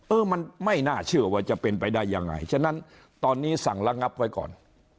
เออมันไม่น่าเชื่อว่าจะเป็นไปได้ยังไงฉะนั้นตอนนี้สั่งระงับไว้ก่อน